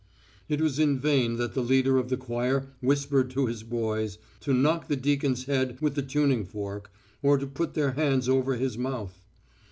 It was in vain that the leader of the choir whispered to his boys, to knock the deacon's head with the tuning fork, or to put their hands over his mouth.